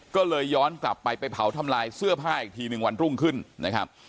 ก็เลยย้อนกลับไปไปเผาทำลายเสื้อผ้าอีกทีหนึ่งวันรุ่งขึ้นนะครับ